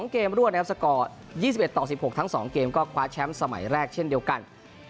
เกมรวดนะครับสกอร์๒๑ต่อ๑๖ทั้ง๒เกมก็คว้าแชมป์สมัยแรกเช่นเดียวกัน